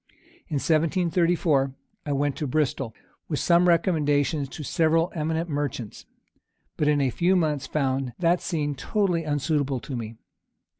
In 1734, I went to Bristol, with some recommendations to several eminent merchants; but in a few months found that scene totally unsuitable to me.